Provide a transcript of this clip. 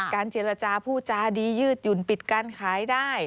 เจรจาผู้จาดียืดหยุ่นปิดการขายได้